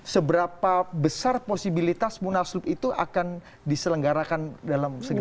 seberapa besar posibilitas munaslob itu akan diselenggarakan dalam segera